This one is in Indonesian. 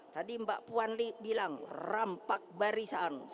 tadi mbak puan bilang rampak barisan